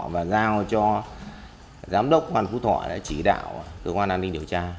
và giao cho giám đốc ban phú thọ đã chỉ đạo cơ quan an ninh điều tra